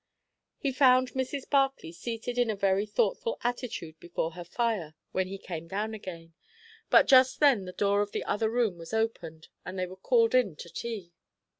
He found Mrs. Barclay seated in a very thoughtful attitude before her fire, when he came down again; but just then the door of the other room was opened, and they were called in to tea.